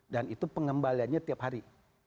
itu pengembaliannya tiap hari